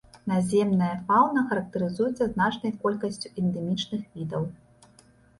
Наземная фаўна характарызуецца значнай колькасцю эндэмічных відаў.